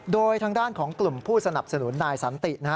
โดยทางด้านของกลุ่มผู้สนับสนุนนายสันตินะฮะ